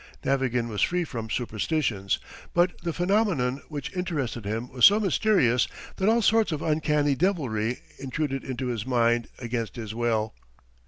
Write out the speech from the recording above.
Navagin was free from superstitions, but the phenomenon which interested him was so mysterious that all sorts of uncanny devilry intruded into his mind against his will.